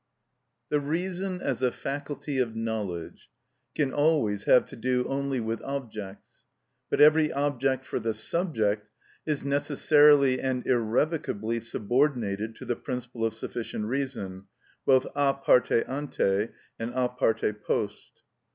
The reason as a faculty of knowledge can always have to do only with objects; but every object for the subject is necessarily and irrevocably subordinated to the principle of sufficient reason, both a parte ante and a parte post.